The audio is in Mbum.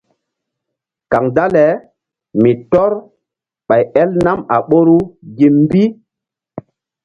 Kaŋ dale mi tɔ́r ɓay el nam a ɓoru gi mbi.